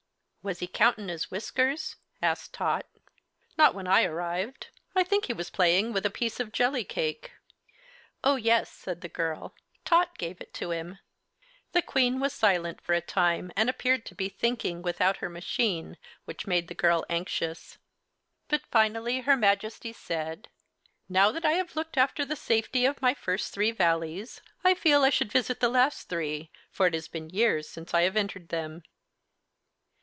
"Was he countin' his whiskers?" asked Tot. "Not when I arrived. I think he was playing with a piece of jelly cake." "Oh, yes," said the girl. "Tot gave it to him." The Queen was silent for a time, and appeared to be thinking without her machine, which made the girl anxious. But finally her Majesty said, "Now that I have looked after the safety of my first three Valleys, I feel I should visit the last three, for it has been years since I have entered them."